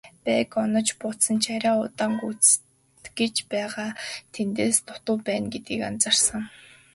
Байг онож буудсан ч арай удаан гүйцэтгэж байгаагаараа тэднээс дутуу байна гэдгийг анзаарсан.